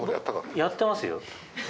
やってますよ。